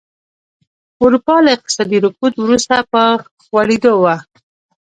اروپا له اقتصادي رکود وروسته په غوړېدو وه.